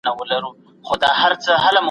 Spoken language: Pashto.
پښتون ماحول دئ، ځان په هكله څه ويلاى نه سم